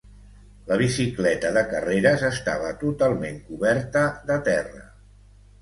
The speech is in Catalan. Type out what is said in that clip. La bicicleta de carreres estava totalment coberta de terra.